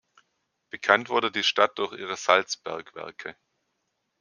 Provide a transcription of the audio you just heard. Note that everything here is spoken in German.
Bekannt wurde die Stadt durch ihre Salzbergwerke.